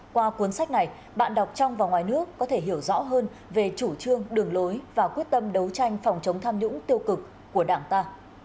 qua cuốn sách này bạn đọc trong và ngoài nước có thể hiểu rõ hơn về chủ trương đường lối và quyết tâm đấu tranh phòng chống tham nhũng tiêu cực của đảng ta